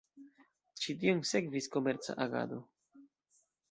Ĉi tion sekvis komerca agado.